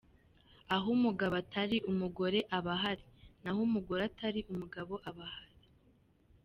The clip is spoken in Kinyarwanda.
Aho umugabo atari, umugore aba ahari, n’aho umugore atari umugabo aba ahari.